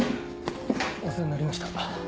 お世話になりました。